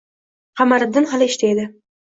Qamariddin hali ishda edi